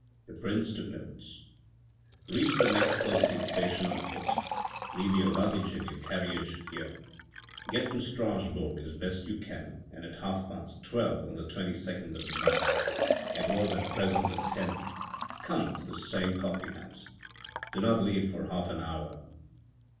The prince took notes. " Reach the next posting station on foot. Leave your luggage and your carriage here. Get to Strasbourg as best you can and at half past twelve on the twenty second of the month (it was at present the tenth) come to this same coffee house. Do not leave for half an hour.